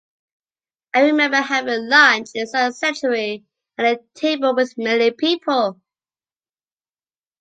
I remember having lunch inside the sanctuary, and a table with many people.